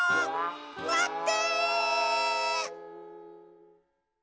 まって！